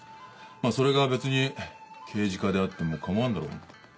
まあそれが別に刑事課であっても構わんだろう。